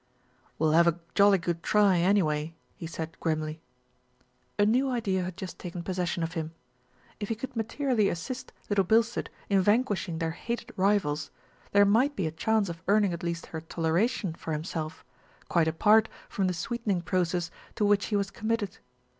"We'll have a jolly good try, anyway," he said grimly. A new idea had just taken possession of him. If he could materially assist Little Bilstead in vanquish ing their hated rivals, there might be a chance of earn ing at least her toleration for himself, quite apart from the sweetening process to which he was committed.